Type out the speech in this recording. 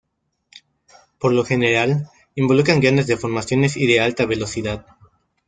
Por lo general, involucran grandes deformaciones y de alta velocidad.